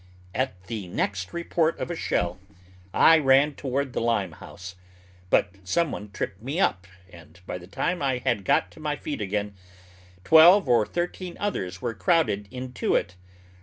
At the next report of a shell I ran toward the lime house, but some one tripped me up, and, by the time I had got to my feet again, twelve or thirteen others were crowded into it.